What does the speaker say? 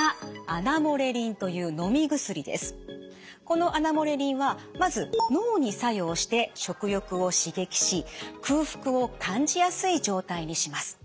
このアナモレリンはまず脳に作用して食欲を刺激し空腹を感じやすい状態にします。